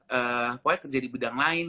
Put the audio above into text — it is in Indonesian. pokoknya kerja di bidang lain